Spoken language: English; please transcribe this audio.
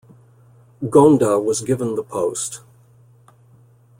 Ghonda was given the post.